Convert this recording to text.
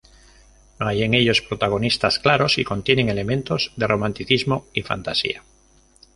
No hay en ellos protagonistas claros y contienen elementos de romanticismo y fantasía.